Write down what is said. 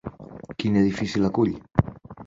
Quin edifici l'acull?